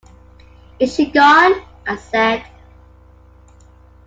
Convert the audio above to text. ‘Is she gone?’ I said.